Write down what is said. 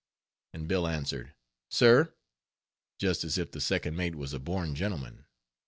and Bill answered, "Sir?" just as if the second mate was a born gentleman.